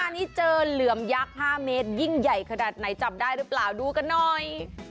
อันนี้เจอเหลือมยักษ์๕เมตรยิ่งใหญ่ขนาดไหนจับได้หรือเปล่าดูกันหน่อย